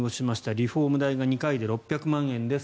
リフォーム代が２回で６００万円です。